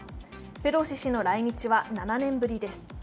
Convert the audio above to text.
ペロシ氏の来日は７年ぶりです。